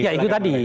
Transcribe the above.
ya itu tadi